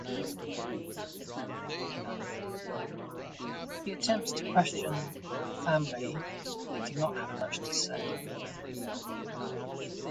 He attempts to question the family, but they do not have much to say.